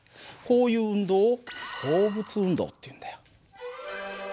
こういう運動を放物運動っていうんだよ。